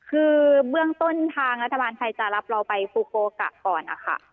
คือเบื้องต้นทางรัฐบาลไทยจะรับเราไปฟูโกกะก่อนนะคะ